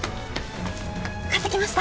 買ってきました